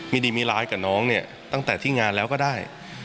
ดีมีร้ายกับน้องเนี่ยตั้งแต่ที่งานแล้วก็ได้